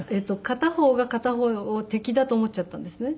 片方が片方を敵だと思っちゃったんですね。